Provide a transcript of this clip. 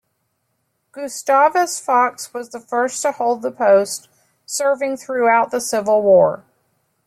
Gustavus Fox was the first to hold the post, serving throughout the Civil War.